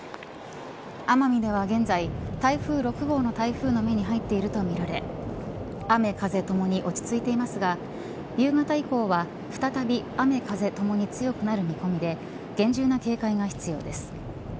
奄美では現在台風６号の台風の目に入っているとみられ雨風ともに落ち着いていますが夕方以降は再び雨風ともに強くなる見込みで厳重な警戒が必要です。